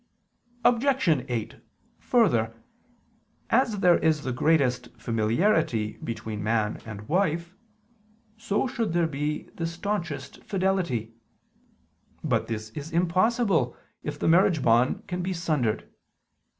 Obj. 8: Further, as there is the greatest familiarity between man and wife, so should there be the staunchest fidelity. But this is impossible if the marriage bond can be sundered.